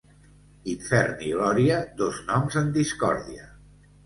Infern i glòria, dos noms en discòrdia.